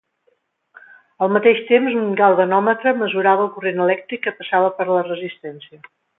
Al mateix temps un galvanòmetre mesurava el corrent elèctric que passava per la resistència.